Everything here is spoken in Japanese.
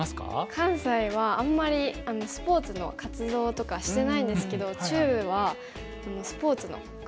関西はあんまりスポーツの活動とかしてないんですけど中部はスポーツのクラブ活動がすごい活発ですね。